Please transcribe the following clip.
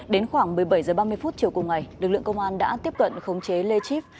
đến khoảng một mươi bảy h ba mươi chiều cùng ngày lực lượng công an đã tiếp cận khống chế lê chip